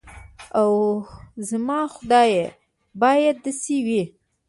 اوح زما خدايه بايد داسې وي.